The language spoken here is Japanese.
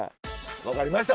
分かりました。